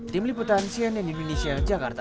tim liputan cnn indonesia jakarta